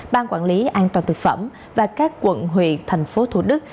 ban quản lý an toàn thực phẩm và các quận huyện thành phố thủ đức